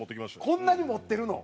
こんなに持ってるの？